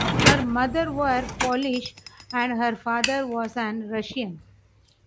Her mother was Polish and father was a Russian.